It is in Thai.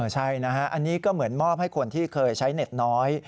ใช่นะฮะอันนี้ก็เหมือนมอบให้คนที่เคยใช้เน็ตน้อย